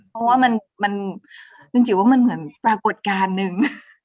เพราะว่ามันจริงว่ามันเหมือนปรากฏการณ์นึง